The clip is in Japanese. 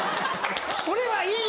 それはいい。